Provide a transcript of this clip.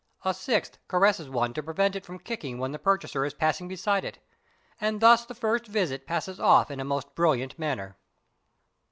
a sixth caresses one to prevent it from kicking when the purchaser is passing beside him; and thus the first visit passes off in a most brilliant manner.